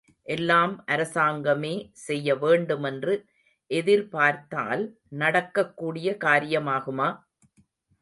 எல்லாம் அரசாங்கமே செய்யவேண்டு மென்று எதிர்பார்த்தால் நடக்கக் கூடிய காரியமாகுமா?